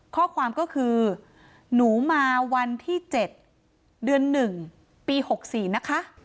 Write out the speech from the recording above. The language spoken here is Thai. ข้อความก็คือหนูมาวันที่๗เดือน๑ปี๖๔นะคะ